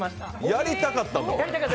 やりたかったです。